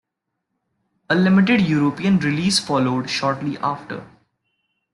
A limited European release followed shortly after.